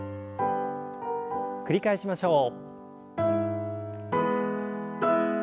繰り返しましょう。